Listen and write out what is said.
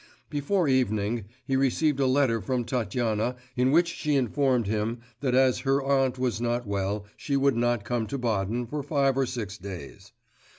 Before evening he received a letter from Tatyana in which she informed him that as her aunt was not well, she could not come to Baden for five or six days.